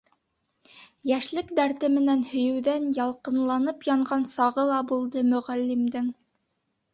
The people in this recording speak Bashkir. Йәшлек дәрте менән һөйөүҙән ялҡынланып янған сағы ла булды Мөғәллимдең.